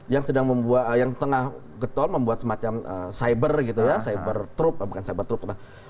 yang sedang membuat yang tengah getol membuat semacam cyber gitu ya cyber troop bukan cyber troup lah